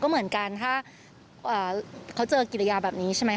เหมือนกันถ้าเขาเจอกิริยาแบบนี้ใช่ไหมค